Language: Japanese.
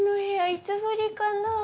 いつぶりかなぁ。